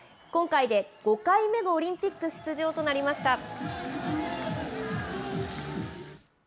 今回で５回目のオリンピック出場となりました。